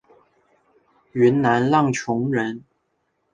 云南浪穹人。